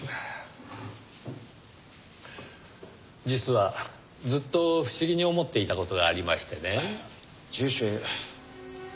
実はずっと不思議に思っていた事がありましてね。